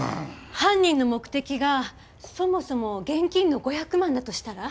犯人の目的がそもそも現金の５００万だとしたら？